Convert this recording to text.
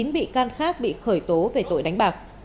chín bị can khác bị khởi tố về tội đánh bạc